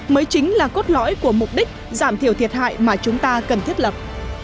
mới chính là cốt lõi của mục đích giảm thiểu thiệt hại mà chúng ta cần thiết lập